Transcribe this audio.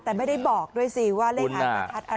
แต่ไม่ได้บอกด้วยสิว่าเลขหางประทัดอะไร